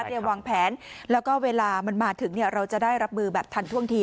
วางแผนแล้วก็เวลามันมาถึงเราจะได้รับมือแบบทันท่วงที